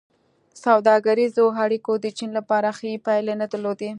سوداګریزو اړیکو د چین لپاره ښې پایلې نه درلودې.